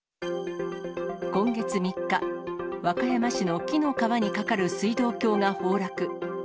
今月３日、和歌山市の紀の川に架かる水道橋が崩落。